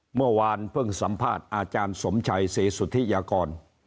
เมื่อวานเพิ่งสัมภาษณ์อาจารย์สมชัยศรีสุธิยากร